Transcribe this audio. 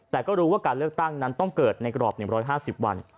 แต่ก็รู้ว่าการเลือกตั้งนั้นต้องเกิดในกรอบ๑๕๐วัน